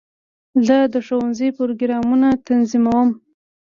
زه د ښوونځي پروګرامونه تنظیموم.